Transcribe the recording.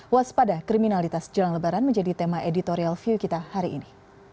waspada kriminalitas jelang lebaran menjadi tema editorial view kita hari ini